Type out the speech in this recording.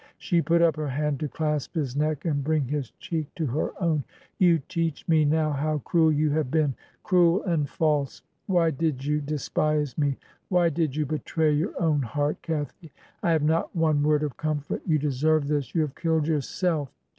... She put up her hand to clasp his neck, and bring his cheek to her own. ... 'You teach me now how cruel you have been — cruel and false. Why did you despise me? Why did you betray your own heart, Cathy? I have not one word of comfort You deserve this. You have killed yourself.